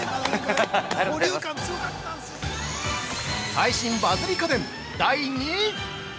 ◆最新バズり家電、第２位！